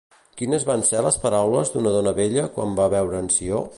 Quines van ser les paraules d'una dona vella quan va veure en Ció?